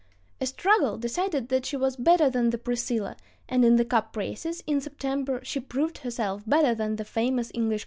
A struggle decided that she was better than the Priscilla, and in the cup races in September she proved herself better than the famous English cutter Genesta.